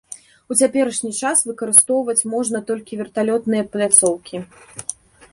У цяперашні час выкарыстоўваць можна толькі верталётны пляцоўкі.